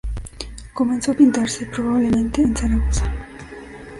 Comenzó a pintarse, probablemente, en Zaragoza.